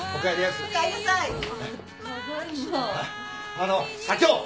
あのう社長。